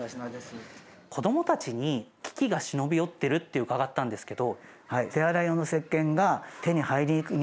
子どもたちに危機が忍び寄ってるって伺ったんですけど。